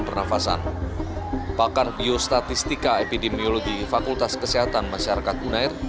pernafasan pakar biostatistika epidemiologi fakultas kesehatan masyarakat unair